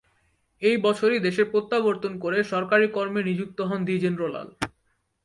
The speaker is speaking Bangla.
এই বছরই দেশে প্রত্যাবর্তন করে সরকারি কর্মে নিযুক্ত হন দ্বিজেন্দ্রলাল।